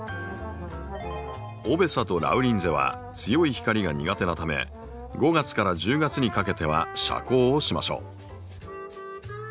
オベサとラウリンゼは強い光が苦手なため５月１０月にかけては遮光をしましょう。